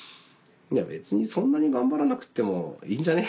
別にそんなに頑張らなくてもいいんじゃね？